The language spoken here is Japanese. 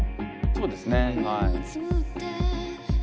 そうですねはい。